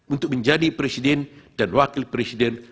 untuk menjadi presiden dan wakil presiden